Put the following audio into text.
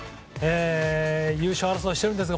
優勝争いしているんですよ